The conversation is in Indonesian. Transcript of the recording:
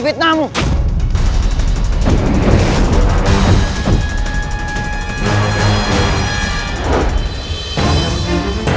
tidak mungkin mahesa